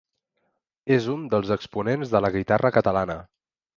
És un dels exponents de la guitarra catalana.